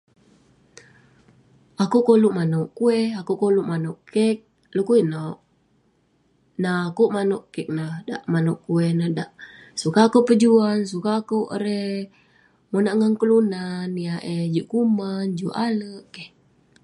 Akouk koluk manouk kueh, akouk koluk manouk kek. Dukuk inouk? Nak akouk manouk kek ineh dak, kueh ineh dak, sukat akouk pejuan, sukat akouk erei monak ngan kelunan yah eh juk kuman, juk ale'. Keh.